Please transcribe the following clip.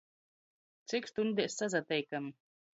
Cik stuņdēs sasateikam?